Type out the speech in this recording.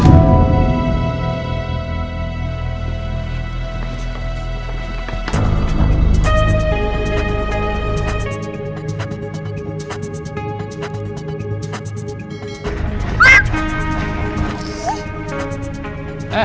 oh kalo udah bener